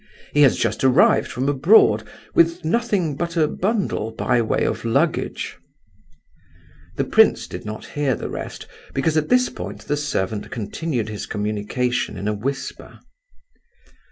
He has just arrived from abroad, with nothing but a bundle by way of luggage—." The prince did not hear the rest, because at this point the servant continued his communication in a whisper.